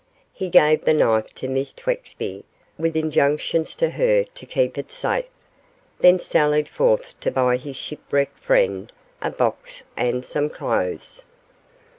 He gave the knife to Miss Twexby, with injunctions to her to keep it safe, then sallied forth to buy his shipwrecked friend a box and some clothes.